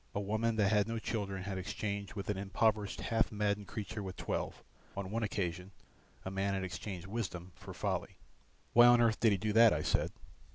A woman that had no children had exchanged with an impoverished half maddened creature with twelve. On one occasion a man had exchanged wisdom for folly. "Why on earth did he do that?" I said.